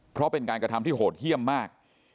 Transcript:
เพราะเป็นการกระทำที่โหดเยี่ยมมาก